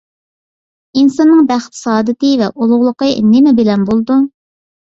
ئىنساننىڭ بەخت-سائادىتى ۋە ئۇلۇغلۇقى نېمە بىلەن بولىدۇ؟